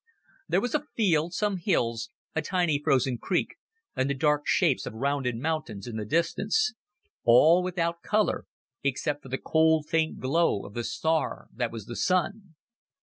There was a field, some hills, a tiny frozen creek and the dark shapes of rounded mountains in the distance. All without color except for the cold, faint glow of the star that was the Sun.